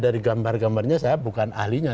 dari gambar gambarnya saya bukan ahlinya